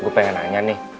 gua pengen nanya nih